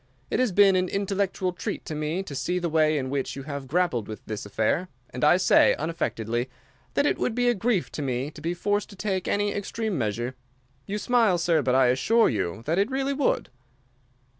It has been an intellectual treat to me to see the way in which you have grappled with this affair, and I say, unaffectedly, that it would be a grief to me to be forced to take any extreme measure. You smile, sir, but I assure you that it really would.